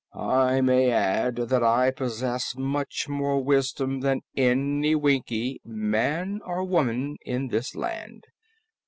I may add that I possess much more wisdom than any Winkie man or woman in this land.